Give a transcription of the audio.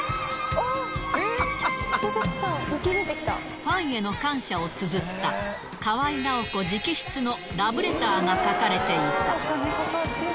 ファンへの感謝をつづった、河合奈保子直筆のラブレターが書かれていた。